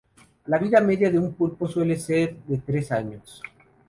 La vida media de un pulpo suele ser de tres años.